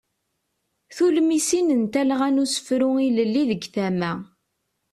Tulmisin n talɣa n usefru ilelli deg tama.